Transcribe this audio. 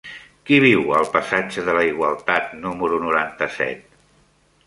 Qui viu al passatge de la Igualtat número noranta-set?